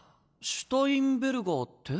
シュタインベルガーって？